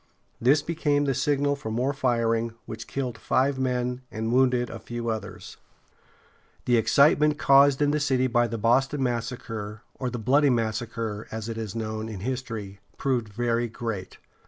This became the signal for more firing, which killed five men and wounded a few others (1770). The excitement caused in the city by the "Boston Massacre," or the "Bloody Massacre," as it is known, in history, proved very great.